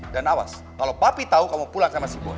dan awas kalau papi tahu kamu pulang sama si boy